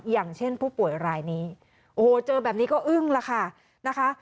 อย่างเช่นผู้ป่วยรายนี้โอ้โหเจอแบบนี้ก็อึ้งแล้วค่ะนะคะ